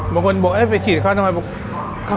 บางคนบอกไปฉีดเขาทำไม